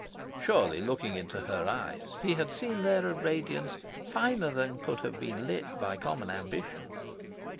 Surely, looking into her eyes, he had seen there a radiance finer than could have been lit by common ambition.